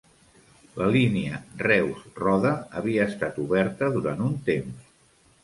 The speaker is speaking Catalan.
La línia Reus-Roda havia estat oberta durant un temps.